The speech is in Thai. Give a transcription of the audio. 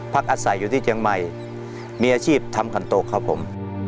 พักอาศัยอยู่ที่จังหมายมีอาชีพทำการโต๊คครับผม